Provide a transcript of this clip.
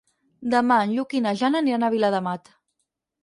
Demà en Lluc i na Jana aniran a Viladamat.